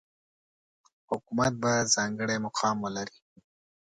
حکومت به ځانګړی مقام ولري.